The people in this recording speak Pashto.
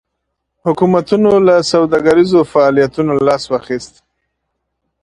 حکومتونو له سوداګریزو فعالیتونو څخه لاس واخیست.